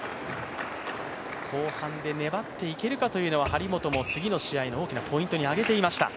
後半で粘っていけるかというのは張本も次のポイントに挙げていました。